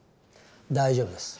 大丈夫です。